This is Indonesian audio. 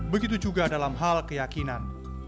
begitu juga dalam hal keyakinan